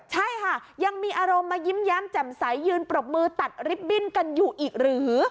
ใช่ค่ะยังมีอารมณ์มายิ้มแย้มแจ่มใสยืนปรบมือตัดลิฟต์บิ้นกันอยู่อีกหรือ